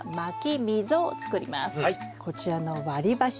こちらの割り箸。